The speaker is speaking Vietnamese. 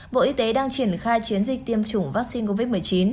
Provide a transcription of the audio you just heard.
bộ y tế đang triển khai chiến dịch tiêm chủng vaccine covid một mươi chín